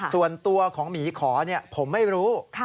ส่วนตัวของหมีขอผมไม่รู้